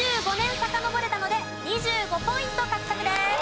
２５年さかのぼれたので２５ポイント獲得です。